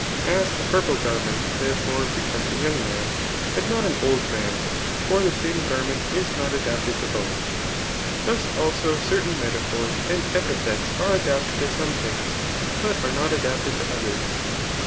As a purple garment, therefore, becomes a young, but not an old mm i for the same garment is not adapted to both; thus also certain metaphors and epithets are adapted t9.some things, but are not adapted to others.